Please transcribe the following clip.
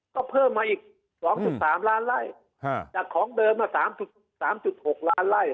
ก็เพิ่มมาอีกสองจุดสามล้านไล่ฮะจากของเดิมมาสามจุดสามจุดหกล้านไล่